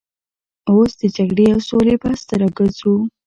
اوس د جګړې او سولې بحث ته راګرځو.